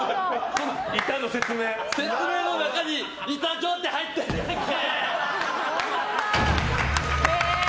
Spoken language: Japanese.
説明の中に板って入ってるやんけ。